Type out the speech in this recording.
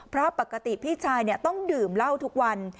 เพราะปกติพี่ชายต้องดื่มเหล้าทุกวัน